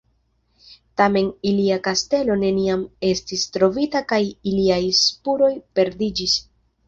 Tamen ilia kastelo neniam estis trovita kaj iliaj spuroj perdiĝis.